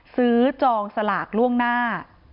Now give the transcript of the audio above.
ซื้อจองศลากล่วงหน้า